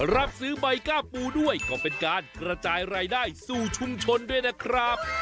รับซื้อใบก้าปูด้วยก็เป็นการกระจายรายได้สู่ชุมชนด้วยนะครับ